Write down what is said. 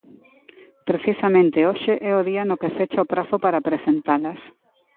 Precisamente hoxe é o día no que fecha o prazo para presentalas.